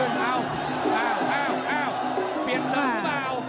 ตามต่อยกที่สองครับ